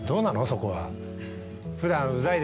そこは。